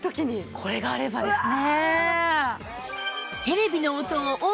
これがあればですね！